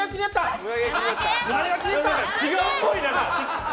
違うっぽいな。